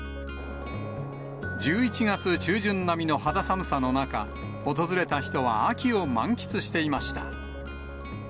１１月中旬並みの肌寒さの中、訪れた人は秋を満喫していました。